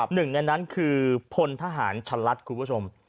หนึ่งในนั้นคือพลทหารชะลัดคุณผู้ชม